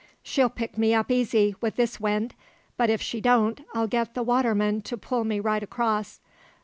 She'll pick me up easy, wi' this wind; but if she don't, I'll get the waterman to pull me right across.